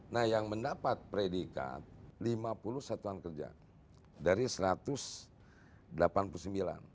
nah yang mendapat predikat lima puluh satuan kerja dari satu ratus delapan puluh sembilan